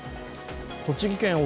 栃木県奥